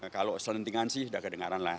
kalau selentingan sih sudah kedengaran lah